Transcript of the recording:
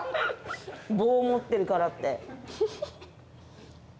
棒を持ってるからって。